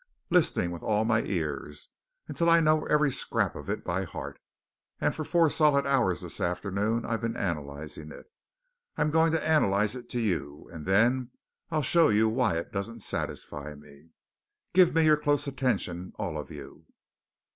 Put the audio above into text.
"Listening with all my ears until I know every scrap of it by heart. And for four solid hours this afternoon I've been analysing it. I'm going to analyse it to you and then I'll show you why it doesn't satisfy me. Give me your close attention, all of you."